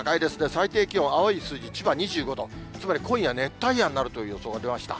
最低気温、青い数字、千葉２５度、つまり今夜、熱帯夜になるという予想が出ました。